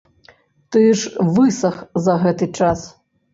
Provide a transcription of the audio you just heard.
Ты ж высах за гэты час.